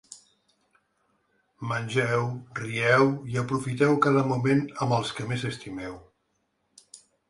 Mengeu, rieu i aprofiteu cada moment amb els que més estimeu.